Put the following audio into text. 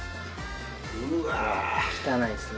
汚いですね。